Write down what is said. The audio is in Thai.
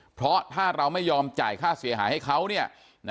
เพราะถ้าเราไม่ยอมจ่ายค่าเสียหายให้เขาเนี่ย